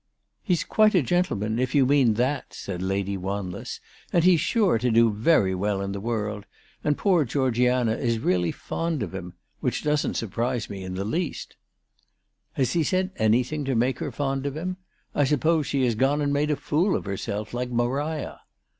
" He's quite a gentleman, if you mean that," said 394 ALICE DUGDALE. Lady Wanless ;" and he's sure to do very well in the world ; and poor Georgiana is really fond of him, which doesn't surprise me in the least." " Has he said anything to make her fond of him ? I suppose she has gone and made a fool of herself, like Maria."